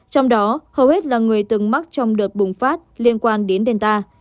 trong đó hầu hết là người từng mắc trong đợt bùng phát liên quan đến delta